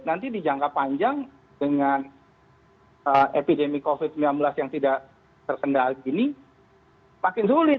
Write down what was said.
nanti dijangka panjang dengan epidemi covid sembilan belas yang tidak terkendali ini makin sulit